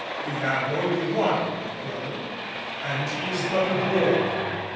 "We have only one, my brother, and he is but a boy.